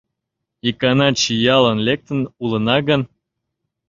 Икана чиялын лектын улына гын